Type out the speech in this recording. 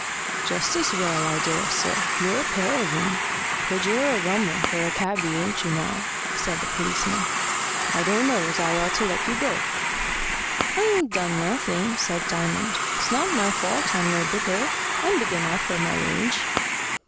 "Just as well, I daresay. You're a pair of 'em. But you are a rum 'un for a cabby ain't you now?" said the policeman. "I don't know as I ought to let you go." "I ain't done nothing," said Diamond. "It's not my fault I'm no bigger. I'm big enough for my age."